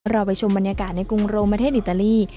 เราไปชมบรรยากาศในกรุงโรมประเทศอิตาลี